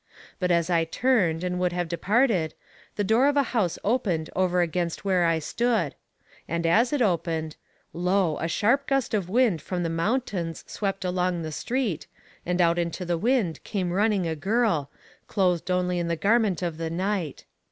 But as I turned and would have departed, the door of a house opened over against where I stood; and as it opened, lo! a sharp gust of wind from the mountains swept along the street, and out into the wind came running a girl, clothed only in the garment of the night.